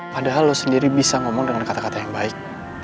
padahal lo sendiri bisa ngomong dengan kata kata yang baik